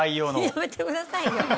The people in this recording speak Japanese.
やめてくださいよ。